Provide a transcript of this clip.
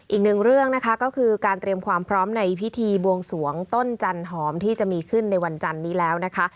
อีกหนึ่งเรื่องนะคะก็คือการเตรียมความพร้อมในพิธีบวงสวงต้นจันหอมที่จะมีขึ้นในวันจันนี้แล้วนะคะ